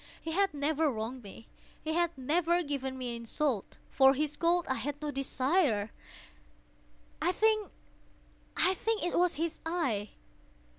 He had never wronged me. He had never given me insult. For his gold I had no desire. I think it was his eye!